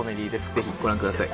ぜひ、ご覧ください。